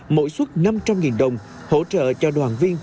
mỗi suất năm trăm linh đồng hỗ trợ cho đoàn viên